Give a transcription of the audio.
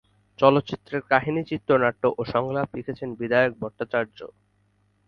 চলচ্চিত্রের কাহিনী, চিত্রনাট্য ও সংলাপ লিখেছেন বিধায়ক ভট্টাচার্য।